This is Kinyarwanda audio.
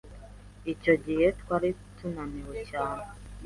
Icyo gihe twari tunaniwe cyane.